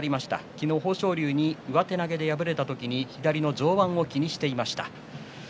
昨日、豊昇龍に上手投げで敗れた時に左の上腕を気にしていました。